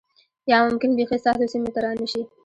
یا ممکن بیخی ستاسو سیمې ته را نشي